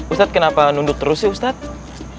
ustadz kenapa nunduk terus sih ustadz